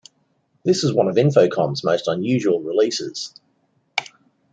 This was one of Infocom's most unusual releases.